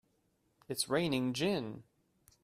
It's raining gin!